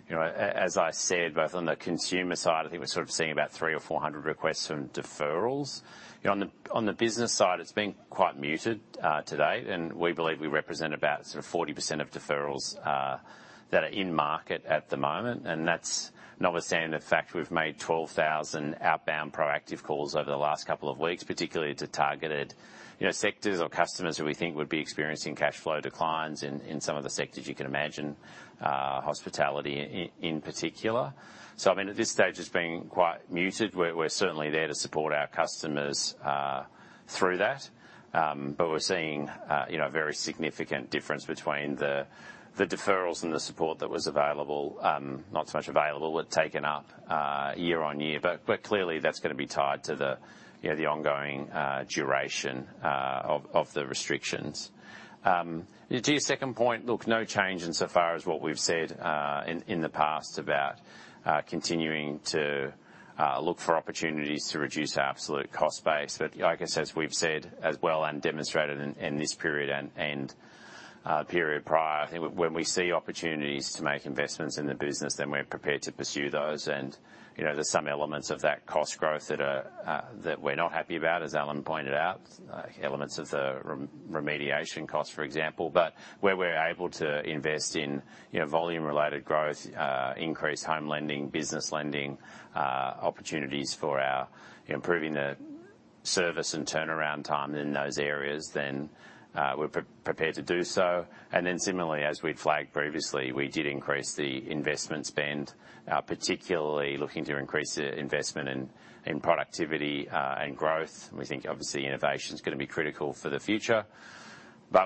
As I said, both on the consumer side, I think we're sort of seeing about 300 or 400 requests from deferrals. On the business side, it's been quite muted to date. We believe we represent about 40% of deferrals that are in market at the moment, and that's notwithstanding the fact we've made 12,000 outbound proactive calls over the last couple of weeks, particularly to targeted sectors or customers who we think would be experiencing cash flow declines in some of the sectors you can imagine, hospitality in particular. At this stage, it's been quite muted. We're certainly there to support our customers through that. We're seeing a very significant difference between the deferrals and the support that was available, not so much available, but taken up year on year. Clearly, that's going to be tied to the ongoing duration of the restrictions. To your second point, look, no change insofar as what we've said in the past about continuing to look for opportunities to reduce our absolute cost base. I guess, as we've said as well and demonstrated in this period and period prior, I think when we see opportunities to make investments in the business, then we're prepared to pursue those. There's some elements of that cost growth that we're not happy about, as Alan pointed out, elements of the remediation cost, for example. Where we're able to invest in volume-related growth, increase home lending, business lending, opportunities for improving the service and turnaround time in those areas, then we're prepared to do so. Similarly, as we'd flagged previously, we did increase the investment spend, particularly looking to increase the investment in productivity and growth. We think obviously innovation is going to be critical for the future.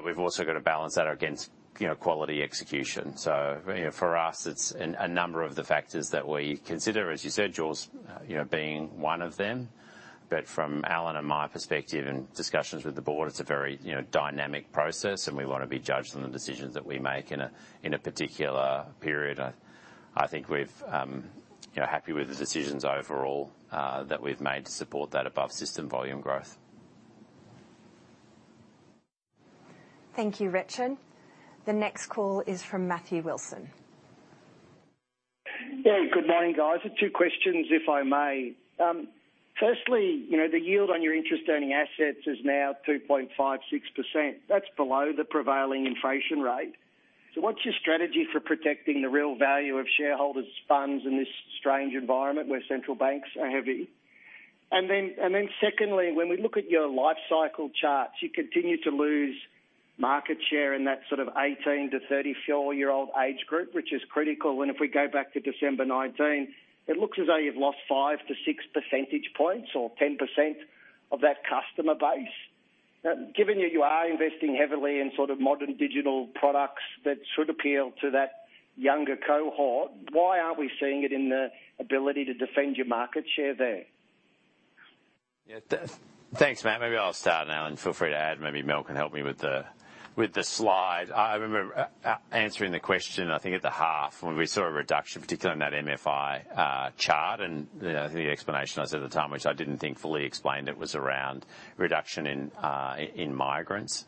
We've also got to balance that against quality execution. For us, it's a number of the factors that we consider, as you said, jaws being one of them. From Alan and my perspective and discussions with the board, it's a very dynamic process, and we want to be judged on the decisions that we make in a particular period. I think we're happy with the decisions overall that we've made to support that above-system volume growth. Thank you, Richard. The next call is from Matthew Wilson. Good morning, guys. two questions, if I may. Firstly, the yield on your interest-earning assets is now 2.56%. That's below the prevailing inflation rate. What's your strategy for protecting the real value of shareholders' funds in this strange environment where central banks are heavy? Secondly, when we look at your life cycle charts, you continue to lose market share in that sort of 18 to 34-year-old age group, which is critical. If we go back to December 2019, it looks as though you've lost 5 to 6 percentage points or 10% of that customer base. Given that you are investing heavily in sort of modern digital products that should appeal to that younger cohort, why aren't we seeing it in the ability to defend your market share there? Thanks, Matt. Maybe I'll start, Alan, feel free to add. Maybe Mel can help me with the slide. I remember answering the question, I think at the half, when we saw a reduction, particularly in that MFI chart. The explanation I said at the time, which I didn't think fully explained, it was around reduction in migrants.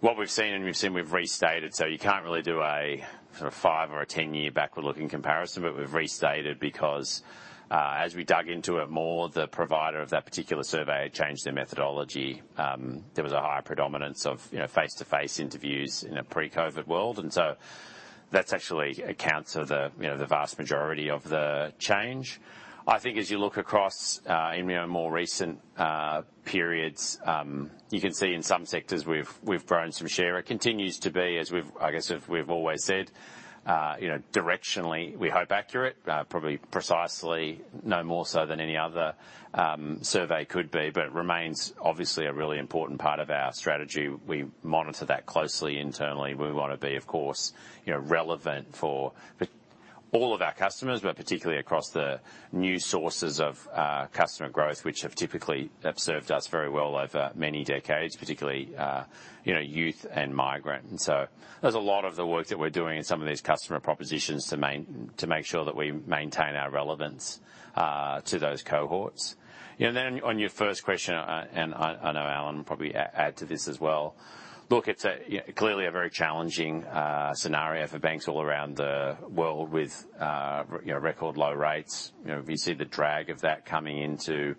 What we've seen, we've restated, you can't really do a sort of 5 or a 10-year backward-looking comparison, we've restated because, as we dug into it more, the provider of that particular survey changed their methodology. There was a higher predominance of face-to-face interviews in a pre-COVID-19 world. That actually accounts for the vast majority of the change. I think as you look across in more recent periods, you can see in some sectors we've grown some share. It continues to be, I guess as we've always said, directionally, we hope accurate. Probably precisely no more so than any other survey could be, but remains obviously a really important part of our strategy. We monitor that closely internally. We want to be, of course, relevant for all of our customers, but particularly across the new sources of customer growth, which have typically served us very well over many decades, particularly youth and migrant. So, there's a lot of the work that we're doing in some of these customer propositions to make sure that we maintain our relevance to those cohorts. Yeah. On your first question, and I know Alan will probably add to this as well. Look, it's clearly a very challenging scenario for banks all around the world with record low rates. We see the drag of that coming into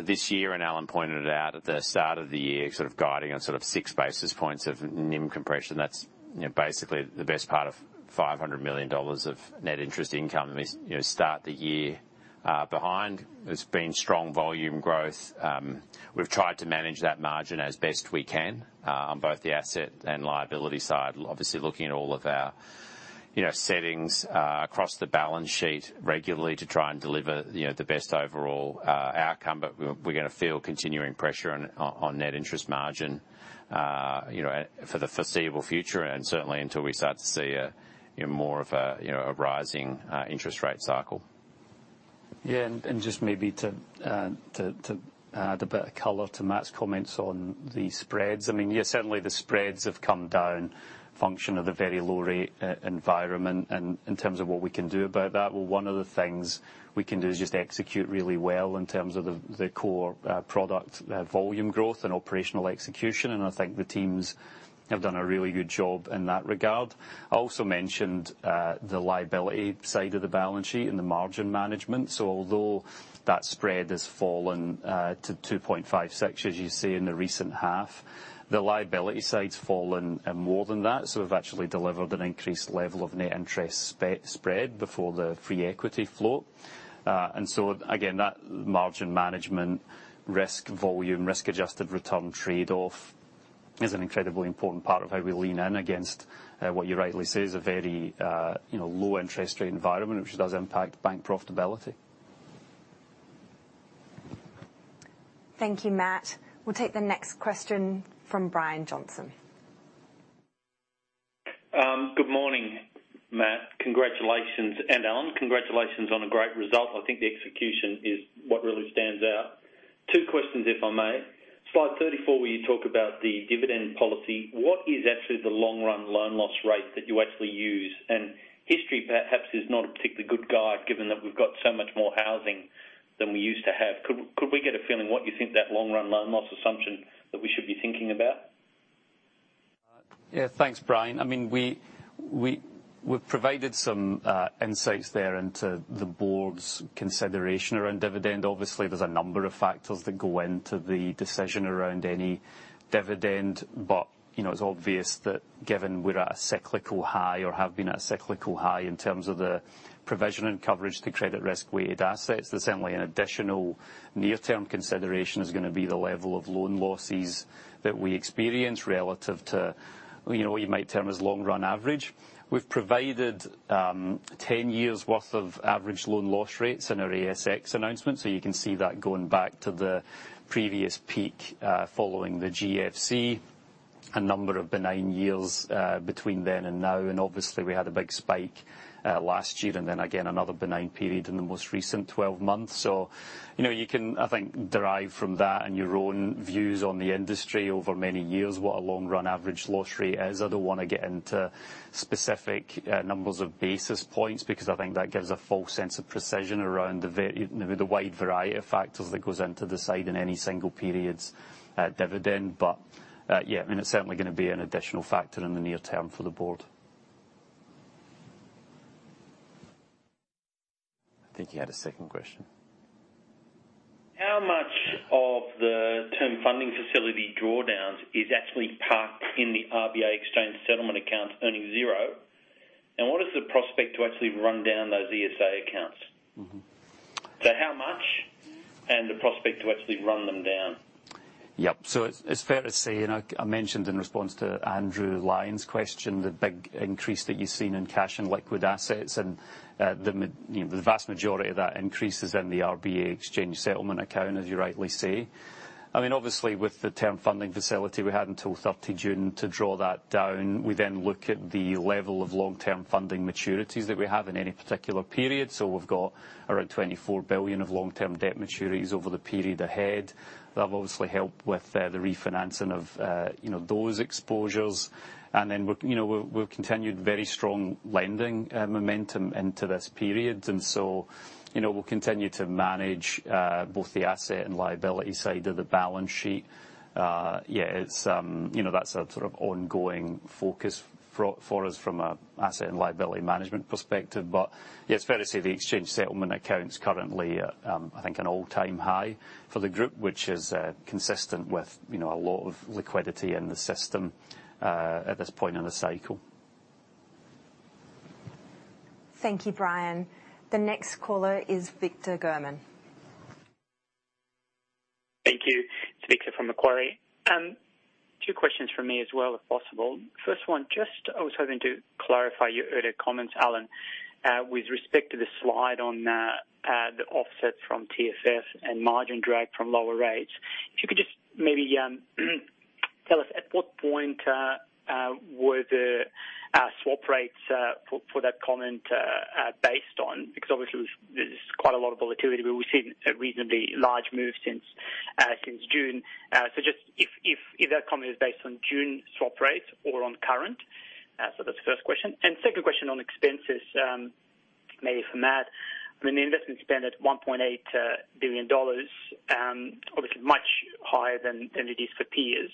this year, and Alan pointed it out at the start of the year, sort of guiding on 6 basis points of NIM compression. That's basically the best part of 500 million dollars of net interest income we start the year behind. There's been strong volume growth. We've tried to manage that margin as best we can on both the asset and liability side. Obviously, looking at all of our settings across the balance sheet regularly to try and deliver the best overall outcome. We're going to feel continuing pressure on net interest margin for the foreseeable future, and certainly until we start to see more of a rising interest rate cycle. Yeah. Just maybe to add a bit of color to Matt's comments on the spreads. I mean, certainly the spreads have come down function of the very low rate environment. In terms of what we can do about that, well, one of the things we can do is just execute really well in terms of the core product volume growth and operational execution, and I think the teams have done a really good job in that regard. I also mentioned the liability side of the balance sheet and the margin management. Although that spread has fallen to 2.56% as you see in the recent half, the liability side's fallen more than that. We've actually delivered an increased level of net interest spread before the free equity float. Again, that margin management risk, volume risk-adjusted return trade-off is an incredibly important part of how we lean in against what you rightly say is a very low interest rate environment, which does impact bank profitability. Thank you, Matt. We'll take the next question from Brian Johnson. Good morning, Matt. Congratulations. Alan, congratulations on a great result. I think the execution is what really stands out. Two questions, if I may. Slide 34, where you talk about the dividend policy, what is actually the long-run loan loss rate that you actually use? History perhaps is not a particularly good guide, given that we've got so much more housing than we used to have. Could we get a feeling what you think that long-run loan loss assumption that we should be thinking about? Yeah. Thanks, Brian. We've provided some insights there into the board's consideration around dividend. Obviously, there's a number of factors that go into the decision around any dividend. It's obvious that given we're at a cyclical high or have been at a cyclical high in terms of the provision and coverage to credit risk-weighted assets, there's certainly an additional near-term consideration is going to be the level of loan losses that we experience relative to what you might term as long-run average. We've provided 10 years worth of average loan loss rates in our ASX announcement. You can see that going back to the previous peak, following the GFC. A number of benign years between then and now. Obviously, we had a big spike last year, and then again, another benign period in the most recent 12 months. You can, I think, derive from that and your own views on the industry over many years what a long-run average loss rate is. I don't want to get into specific numbers of basis points, because I think that gives a false sense of precision around the wide variety of factors that goes into deciding any single period's dividend. Yeah, it's certainly going to be an additional factor in the near term for the board. I think you had a second question. How much of the Term Funding Facility drawdowns is actually parked in the RBA Exchange Settlement Account earning 0? What is the prospect to actually run down those ESA accounts? How much, and the prospect to actually run them down. Yep. It's fair to say, and I mentioned in response to Andrew Lyons' question, the big increase that you've seen in cash and liquid assets and the vast majority of that increase is in the RBA Exchange Settlement Account, as you rightly say. Obviously, with the Term Funding Facility, we had until 30 June to draw that down. We look at the level of long-term funding maturities that we have in any particular period. We've got around 24 billion of long-term debt maturities over the period ahead. That will obviously help with the refinancing of those exposures. We've continued very strong lending momentum into this period. We'll continue to manage both the asset and liability side of the balance sheet. That's an ongoing focus for us from an asset and liability management perspective. It's fair to say the Exchange Settlement Account is currently at, I think, an all-time high for the group, which is consistent with a lot of liquidity in the system at this point in the cycle. Thank you, Brian. The next caller is Victor German. Thank you. It's Victor from Macquarie. Two questions from me as well, if possible. First one, just I was hoping to clarify your earlier comments, Alan, with respect to the slide on the offset from TFF and margin drag from lower rates. If you could just maybe tell us, at what point were the swap rates for that comment based on? Obviously, there's quite a lot of volatility, but we've seen a reasonably large move since June. Just if that comment is based on June swap rates or on current. That's the first question. Second question on expenses, maybe for Matt. The investment spend at 1.8 billion dollars, obviously much higher than it is for peers.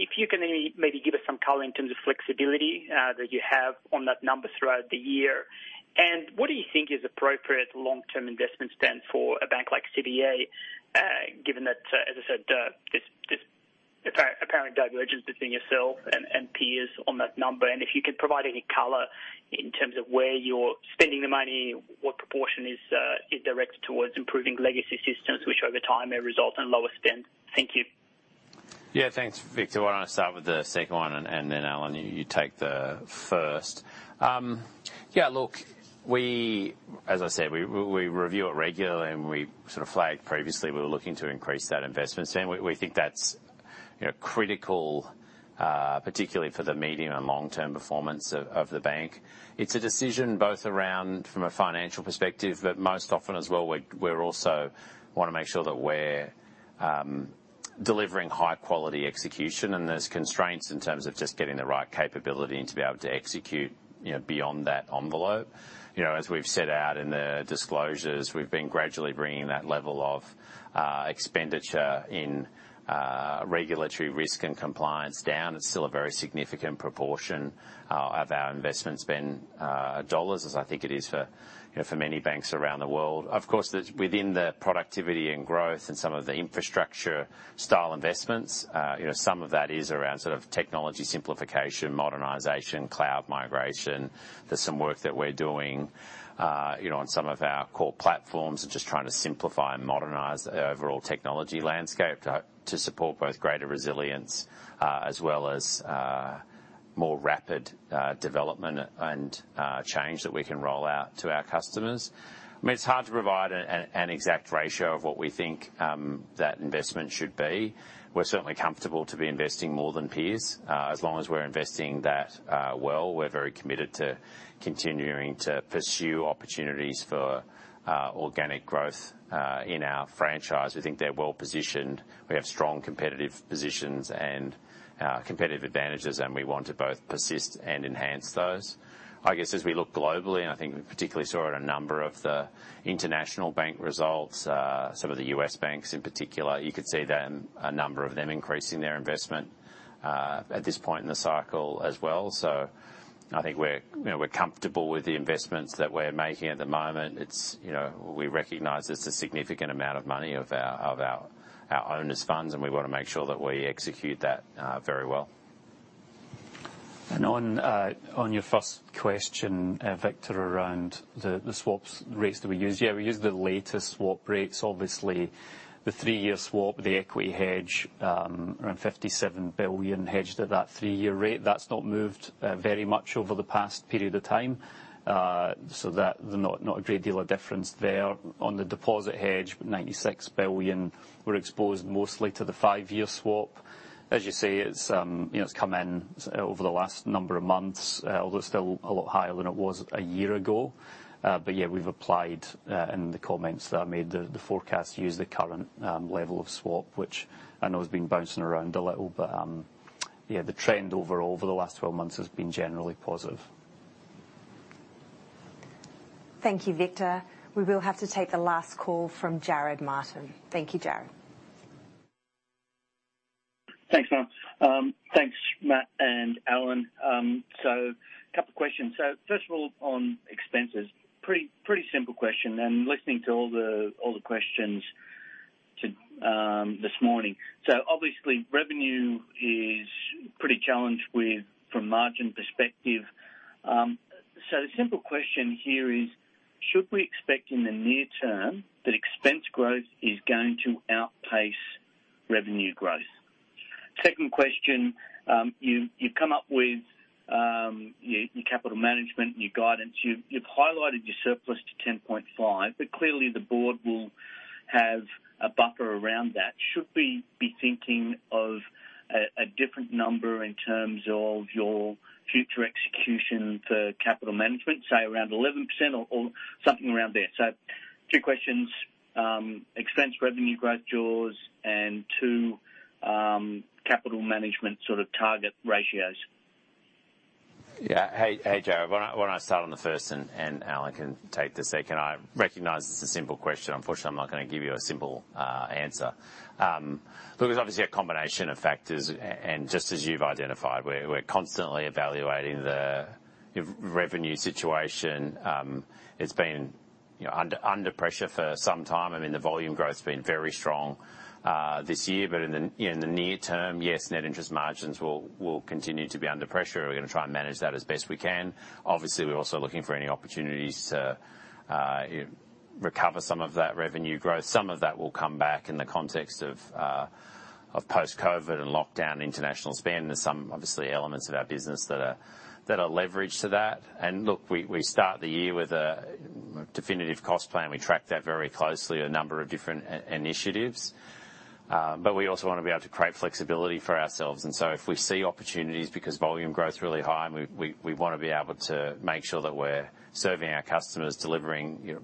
If you can maybe give us some color in terms of flexibility that you have on that number throughout the year. What do you think is appropriate long-term investment spend for a bank like CBA, given that, as I said, this apparent divergence between yourself and peers on that number? If you could provide any color in terms of where you're spending the money, what proportion is directed towards improving legacy systems, which over time may result in lower spend. Thank you. Yeah, thanks, Victor. Why don't I start with the second one, and then Alan, you take the first. As I said, we review it regularly, and we sort of flagged previously we were looking to increase that investment spend. We think that's critical, particularly for the medium and long-term performance of the bank. It's a decision both around from a financial perspective, but most often as well, we also want to make sure that we're delivering high-quality execution, and there's constraints in terms of just getting the right capability to be able to execute beyond that envelope. As we've set out in the disclosures, we've been gradually bringing that level of expenditure in regulatory risk and compliance down. It's still a very significant proportion of our investment spend dollars as I think it is for many banks around the world. Within the productivity and growth and some of the infrastructure style investments, some of that is around technology simplification, modernization, cloud migration. There's some work that we're doing on some of our core platforms and just trying to simplify and modernize the overall technology landscape to support both greater resilience as well as more rapid development and change that we can roll out to our customers. It's hard to provide an exact ratio of what we think that investment should be. We're certainly comfortable to be investing more than peers. As long as we're investing that well, we're very committed to continuing to pursue opportunities for organic growth in our franchise. We think they're well positioned. We have strong competitive positions and competitive advantages, and we want to both persist and enhance those. I guess as we look globally, I think we particularly saw it a number of the international bank results, some of the U.S. banks in particular, you could see a number of them increasing their investment at this point in the cycle as well. I think we're comfortable with the investments that we're making at the moment. We recognize it's a significant amount of money of our owner's funds, we want to make sure that we execute that very well. On your first question, Victor, around the swap rates that we use. Yeah, we use the latest swap rates. Obviously, the 3-year swap, the equity hedge, around 57 billion hedged at that 3-year rate. That's not moved very much over the past period of time. Not a great deal of difference there. On the deposit hedge, 96 billion, we're exposed mostly to the 5-year swap. As you say, it's come in over the last number of months, although still a lot higher than it was a year ago. Yeah, we've applied in the comments that I made, the forecast used the current level of swap, which I know has been bouncing around a little, but the trend overall over the last 12 months has been generally positive. Thank you, Victor. We will have to take the last call from Jarrod Martin. Thank you, Jarrod. Thanks Mel. Thanks Matt, and Alan. A couple of questions. First of all, on expenses, pretty simple question, and listening to all the questions this morning. Obviously, revenue is pretty challenged from margin perspective. The simple question here is, should we expect in the near term that expense growth is going to outpace revenue growth? Second question. You've come up with your capital management and your guidance. You've highlighted your surplus to 10.5%, but clearly the board will have a buffer around that. Should we be thinking of a different number in terms of your future execution for capital management, say around 11% or something around there? Two questions, expense revenue growth jaws and two, capital management sort of target ratios. Yeah. Hey, Jarrod. Why don't I start on the first and Alan can take the second? I recognize it's a simple question. Unfortunately, I'm not going to give you a simple answer. Look, there's obviously a combination of factors, and just as you've identified, we're constantly evaluating the revenue situation. It's been under pressure for some time. I mean, the volume growth's been very strong this year. In the near term, yes, net interest margins will continue to be under pressure, and we're going to try and manage that as best we can. Obviously, we're also looking for any opportunities to recover some of that revenue growth. Some of that will come back in the context of post-COVID and lockdown international spend. There's some obviously elements of our business that are leveraged to that. Look, we start the year with a definitive cost plan. We track that very closely, a number of different initiatives. We also want to be able to create flexibility for ourselves. If we see opportunities because volume growth's really high and we want to be able to make sure that we're serving our customers, delivering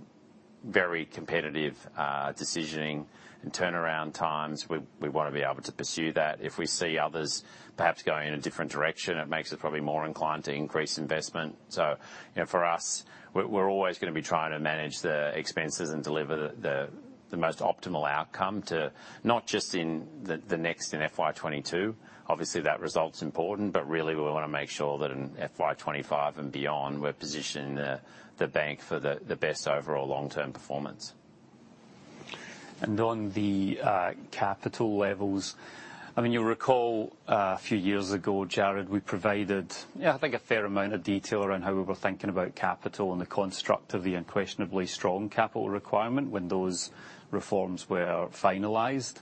very competitive decisioning and turnaround times, we want to be able to pursue that. If we see others perhaps going in a different direction, it makes us probably more inclined to increase investment. For us, we're always going to be trying to manage the expenses and deliver the most optimal outcome to not just in the next, in FY 2022, obviously that result's important, but really we want to make sure that in FY 2025 and beyond, we're positioning the bank for the best overall long-term performance. On the capital levels, you will recall a few years ago, Jarrod, we provided I think a fair amount of detail around how we were thinking about capital and the construct of the unquestionably strong capital requirement when those reforms were finalized.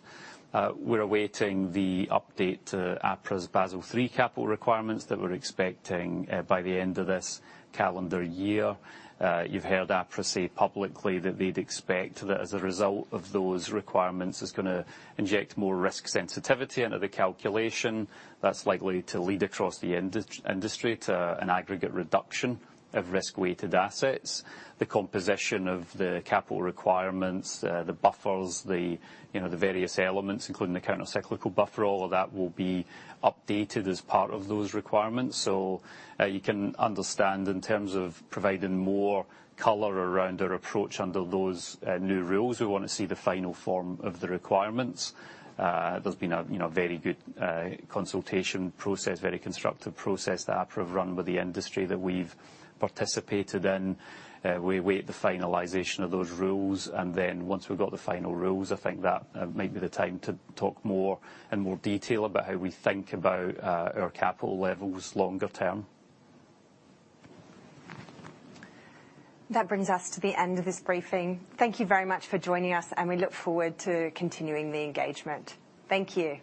We are awaiting the update to APRA's Basel III capital requirements that we are expecting by the end of this calendar year. You have heard APRA say publicly that they would expect that as a result of those requirements, it is going to inject more risk sensitivity into the calculation. That is likely to lead across the industry to an aggregate reduction of risk-weighted assets. The composition of the capital requirements, the buffers, the various elements, including the countercyclical buffer, all of that will be updated as part of those requirements. You can understand in terms of providing more color around our approach under those new rules, we want to see the final form of the requirements. There has been a very good consultation process, very constructive process that APRA have run with the industry that we have participated in. We await the finalization of those rules. Once we have got the final rules, I think that may be the time to talk more in more detail about how we think about our capital levels longer term. That brings us to the end of this briefing. Thank you very much for joining us, and we look forward to continuing the engagement. Thank you.